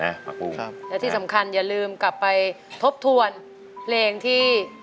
พระภูมิครับและที่สำคัญอย่าลืมกลับไปทบทวนเพลงที่